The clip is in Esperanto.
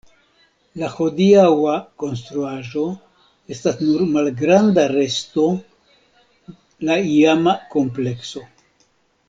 La hodiaŭa konstruaĵo estas nur malgranda resto la iama komplekso.